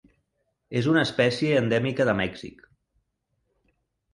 És una espècie endèmica de Mèxic.